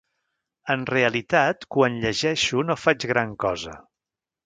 En realitat quan llegeixo no faig gran cosa.